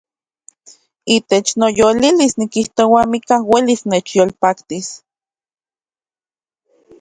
Itech noyolilis nikijoa amikaj uelis nechyolpatilis.